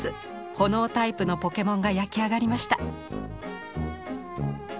ほのおタイプのポケモンが焼き上がりました。